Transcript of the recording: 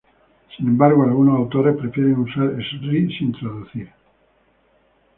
Sin embargo, algunos autores prefieren usar Sri sin traducir.